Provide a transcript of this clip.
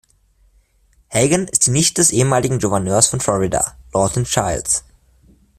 Hagan ist die Nichte des ehemaligen Gouverneurs von Florida, Lawton Chiles.